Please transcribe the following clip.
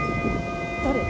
誰？